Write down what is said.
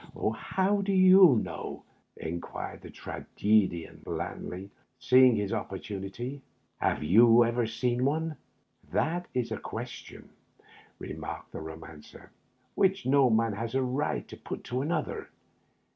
" How do you know? " inquired the Tragedian blandly, seeing his oppor tunity. " Have you ever seen on^? "" That is a question," remarked the Romancer, '* which no man has a right to put to another.